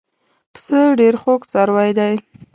پسه ډېر خوږ څاروی دی.